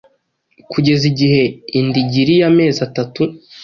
kugeza igihe inda igiriye amezi atatu